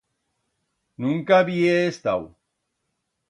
Nunca bi he estau.